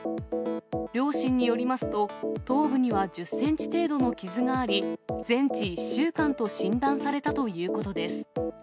両親によりますと、頭部には１０センチ程度の傷があり、全治１週間と診断されたということです。